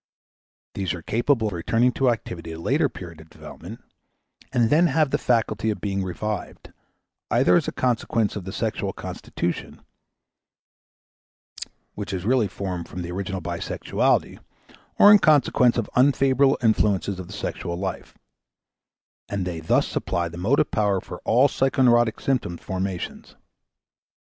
These are capable of returning to activity at a later period of development, and then have the faculty of being revived, either as a consequence of the sexual constitution, which is really formed from the original bisexuality, or in consequence of unfavorable influences of the sexual life; and they thus supply the motive power for all psychoneurotic symptom formations.